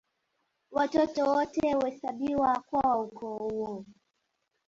Watoto wote huhesabiwa kuwa wa ukoo huo